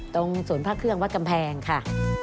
ตรงศูนย์พระเครื่องวัดกำแพงค่ะ